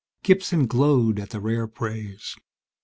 Gibson glowed at the rare praise.